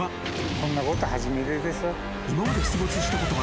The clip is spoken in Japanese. こんなこと初めてです。